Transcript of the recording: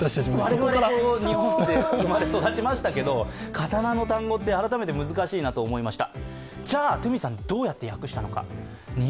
我々も日本で育ちましたけど刀の単語って改めて難しいなと思いました。